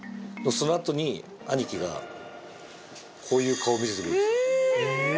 そのあとに兄貴がこういう顔見せてるんです